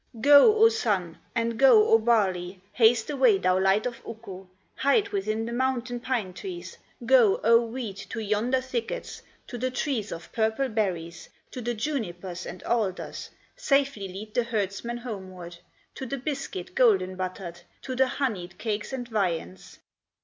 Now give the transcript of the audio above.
Go, O Sun, and go, O barley, Haste away, thou light of Ukko, Hide within the mountain pine trees, Go, O wheat, to yonder thickets, To the trees of purple berries, To the junipers and alders, Safely lead the herdsman homeward To the biscuit golden buttered, To the honeyed cakes and viands!"